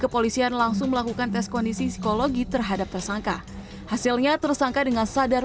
kepolisian langsung melakukan tes kondisi psikologi terhadap tersangka hasilnya tersangka dengan sadar